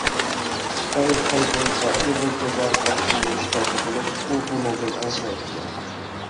خىتايغا قايتۇرۇلسا ئېغىر جازاغا مەھكۇم بولۇش خەۋپى بولۇپ، ئۇ بۇنىڭدىن ئەنسىرەيتتى.